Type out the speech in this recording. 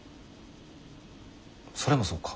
それもそうか。